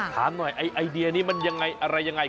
ถามหน่อยไอเดียนี้มันยังไงอะไรยังไง